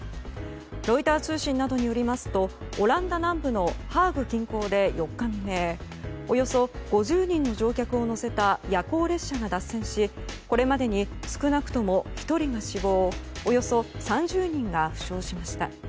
ロイター通信などによりますとオランダ南部のハーグ近郊で４日未明およそ５０人の乗客を乗せた夜行列車が脱線しこれまでに少なくとも１人が死亡およそ３０人が負傷しました。